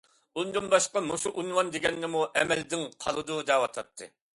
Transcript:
ئۇندىن باشقا مۇشۇ ئۇنۋان دېگەننىمۇ ئەمەلدىن قالىدۇ دەۋاتاتتى.